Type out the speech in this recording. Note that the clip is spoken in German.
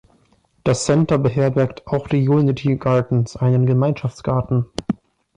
Das Center beherbergt auch die Unity Gardens, einen Gemeinschaftsgarten.